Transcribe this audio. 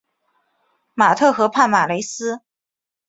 马特河畔马雷斯。